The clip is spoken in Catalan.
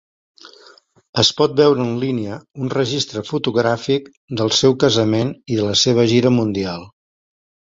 Es pot veure en línia un registre fotogràfic del seu casament i de la seva gira mundial.